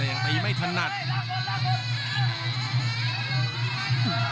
และอัพพิวัตรสอสมนึก